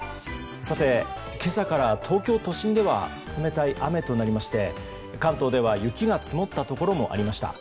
今朝から東京都心では冷たい雨となりまして関東では、雪が積もったところもありました。